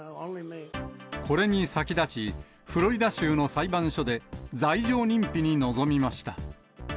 これに先立ち、フロリダ州の裁判所で罪状認否に臨みました。